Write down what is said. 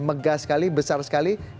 megah sekali besar sekali